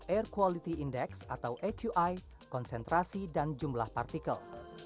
air quality index atau aqi konsentrasi dan jumlah partikel